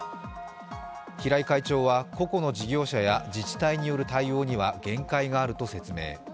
平井会長はここの事業者や自治体による対応には限界があると説明。